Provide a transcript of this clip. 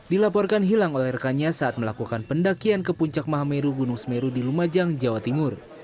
dilaporkan hilang oleh rekannya saat melakukan pendakian ke puncak mahameru gunung semeru di lumajang jawa timur